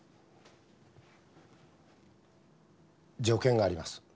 条件があります。